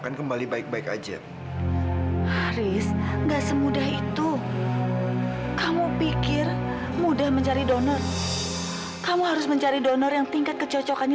sampai jumpa di video selanjutnya